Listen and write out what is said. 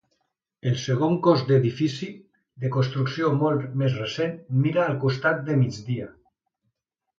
El segon cos d'edifici, de construcció molt més recent mira al costat de migdia.